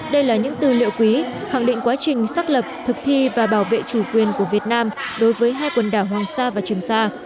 đây là những tư liệu quý hẳn định quá trình xác lập thực thi và bảo vệ chủ quyền của việt nam đối với hai quần đảo hoàng sa và trường sa